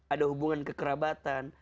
ada hubungan kekerabatan